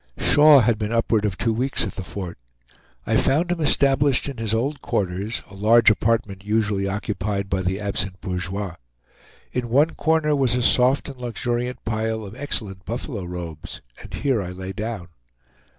Shaw had been upward of two weeks at the Fort. I found him established in his old quarters, a large apartment usually occupied by the absent bourgeois. In one corner was a soft and luxuriant pile of excellent buffalo robes, and here I lay down.